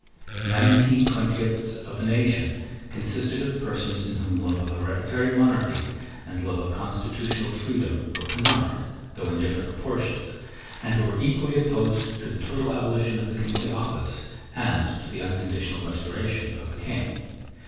Nineteen twentieths, of the nation consisted of persons in whom love of hereditary monarchy and love of constitutional freedom were combined, though in different proportions, and who were equally opposed to the total abolition of the kingly office and to the unconditional restoration of the King.